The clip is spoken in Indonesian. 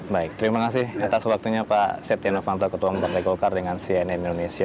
baik terima kasih atas waktunya pak setia novanto ketua umum partai golkar dengan cnn indonesia